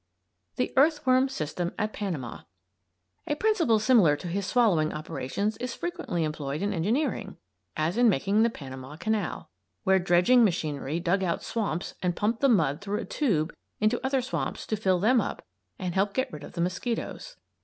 THE EARTHWORM SYSTEM AT PANAMA A principle similar to his swallowing operations is frequently employed in engineering; as in making the Panama Canal, where dredging machinery dug out swamps and pumped the mud through a tube into other swamps to fill them up and help get rid of the mosquitoes.